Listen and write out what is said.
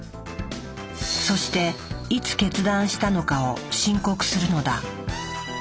そしていつ決断したのかを申告するのだ。